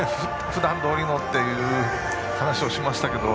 ふだんどおりのという話をしましたけど。